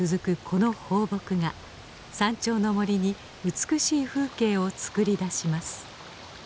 この放牧が山頂の森に美しい風景を作り出します。